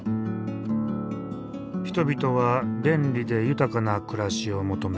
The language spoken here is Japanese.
人々は便利で豊かな暮らしを求め